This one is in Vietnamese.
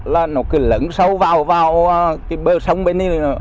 là nó cứ lẫn sâu vào vào cái bờ sông bên đây